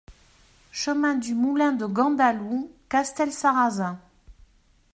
Chemin du Moulin de Gandalou, Castelsarrasin